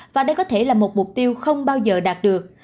và đây có thể là một mục tiêu không bao giờ đạt được